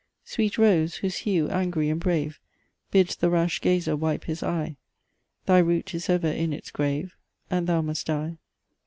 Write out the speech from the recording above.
Sweet rose, whose hue angry and brave Bids the rash gazer wipe his eye Thy root is ever in its grave, And thou must die.